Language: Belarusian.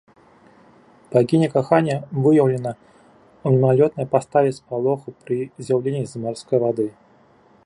Багіня кахання выяўлена ў мімалётнай паставе спалоху пры з'яўленні з марской вады.